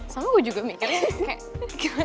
sama gue juga mikirin